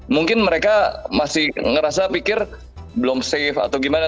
mungkin mereka masih ngerasa pikir belum safe atau gimana